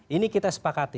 ini kita sepakati